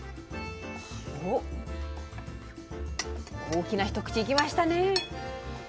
おっ大きな一口いきましたね。